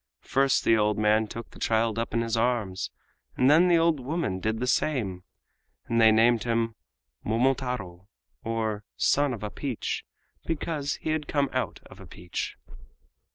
First the old man took the child up in his arms, and then the old woman did the same; and they named him MOMOTARO, OR SON OF A PEACH, because he had come out of a peach.